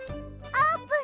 あーぷん！